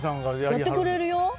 やってくれるよ。